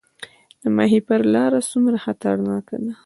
د ماهیپر لاره څومره خطرناکه ده؟